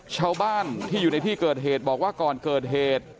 ชาวบ้านที่อยู่ในที่เกิดเหตุบอกว่าก่อนเกิดเหตุ